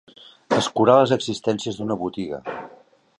Escurar les existències d'una botiga.